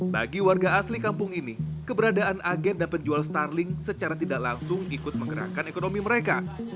bagi warga asli kampung ini keberadaan agen dan penjual starling secara tidak langsung ikut menggerakkan ekonomi mereka